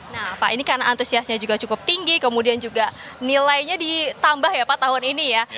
nah pak ini karena antusiasnya juga cukup tinggi kemudian juga nilainya ditambah ya pak tahun ini ya